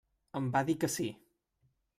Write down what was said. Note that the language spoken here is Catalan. Em va dir que sí.